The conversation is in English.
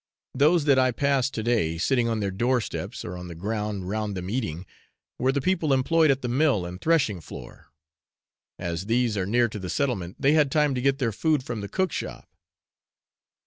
Those that I passed to day, sitting on their doorsteps, or on the ground round them eating, were the people employed at the mill and threshing floor. As these are near to the settlement, they had time to get their food from the cook shop.